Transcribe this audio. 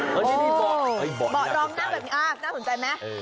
เบาะลองนั่งแบบนี้น่าสนใจไหม